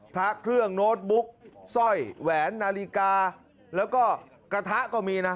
พระเครื่องโน้ตบุ๊กสร้อยแหวนนาฬิกาแล้วก็กระทะก็มีนะ